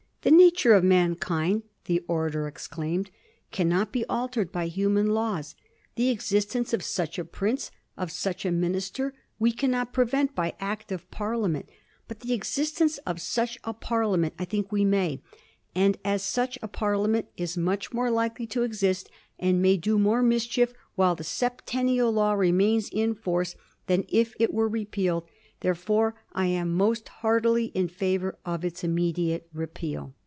The nature of man kind," the orator exclaimed, " cannot be altered by human laws; the existence of such a prince, of such a minister, we cannot prevent by Act of Parliament ; but the exist ence of such a Parliament, I think, we may; and, as such a Parliament is much more likely to e^ist, and may do more mischief while the Septennial Law remains in force than if it were repealed, therefore I am most heartily in favor of its immediate repeal."